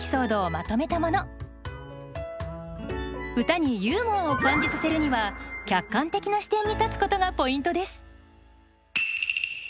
歌にユーモアを感じさせるには客観的な視点に立つことがポイントです。